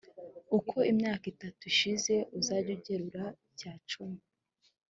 uko imyaka itatu ishize, uzajye ugerura icya cumi